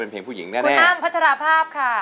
สวัสดีครับ